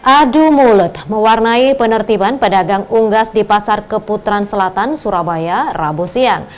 adu mulut mewarnai penertiban pedagang unggas di pasar keputaran selatan surabaya rabu siang